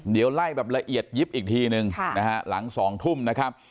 เดี๋ยวไล่แบบละเอียดยิบอีกทีนึงนะฮะหลัง๒ทุ่มนะครับ